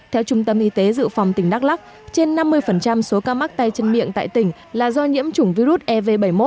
theo trung tâm y tế dự phòng tỉnh đắk lắc trên năm mươi số ca mắc tay chân miệng tại tỉnh là do nhiễm chủng virus ev bảy mươi một